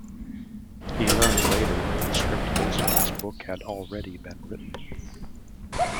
He learned later that the script based on his book had already been written.